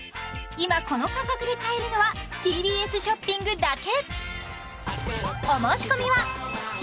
今この価格で買えるのはＴＢＳショッピングだけ！